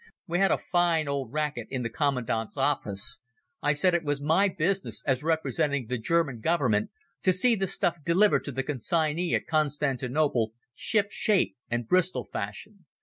We had a fine old racket in the commandant's office. I said it was my business, as representing the German Government, to see the stuff delivered to the consignee at Constantinople ship shape and Bristol fashion.